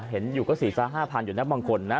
เห็นียวก็สี่สามห้าพันอยู่แนพบางคนนะ